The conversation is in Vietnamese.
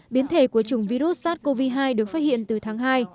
biến thể của chủng virus sars cov hai được phát hiện từ tháng hai